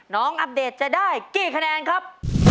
อัปเดตจะได้กี่คะแนนครับ